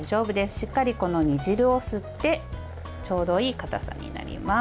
しっかり煮汁を吸ってちょうどいいかたさになります。